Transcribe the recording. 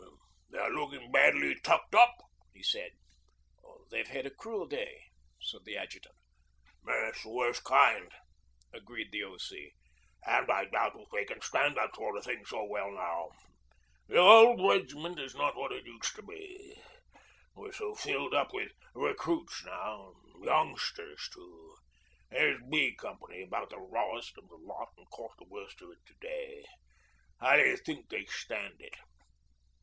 'They're looking badly tucked up,' he said. 'They've had a cruel day,' said the adjutant. 'Yes, the worst kind,' agreed the O.C. 'And I doubt if they can stand that sort of thing so well now. The old regiment is not what it used to be. We're so filled up with recruits now youngsters too. ... Here's B company about the rawest of the lot and caught the worst of it to day. How d'you think they stand it?'